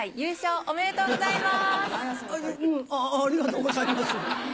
ありがとうございます。